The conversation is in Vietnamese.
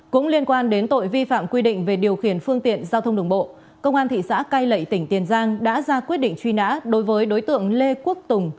cũng liên quan đến tội vi phạm quy định về điều khiển phương tiện giao thông đường bộ công an thị xã cai lệ tỉnh tiền giang đã ra quyết định truy nã đối với đối tượng lê quốc tùng